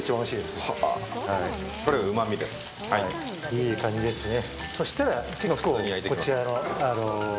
いい感じですね。